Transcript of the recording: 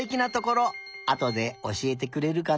あとでおしえてくれるかな？